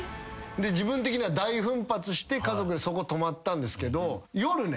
自分的には大奮発して家族でそこ泊まったんですけど夜ね